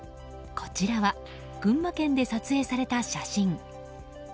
こちらは群馬県で撮影された写真。